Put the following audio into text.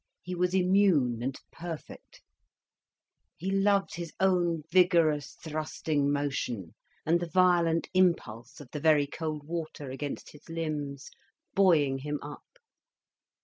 He was immune and perfect. He loved his own vigorous, thrusting motion, and the violent impulse of the very cold water against his limbs, buoying him up.